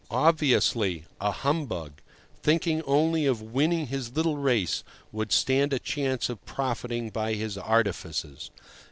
Obviously, a humbug, thinking only of winning his little race, would stand a chance of profiting by his artifices.